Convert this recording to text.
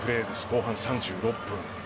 後半３６分。